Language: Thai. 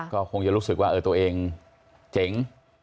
ก็คงจะรู้สึกว่าตัวเองเจ๋ง